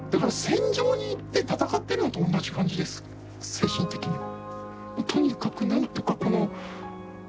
精神的にも。